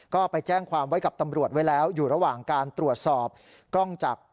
ก็ไปแจ้งความไว้กับตำรวจไว้แล้วอยู่ระหว่างการตรวจสอบกล้องจาก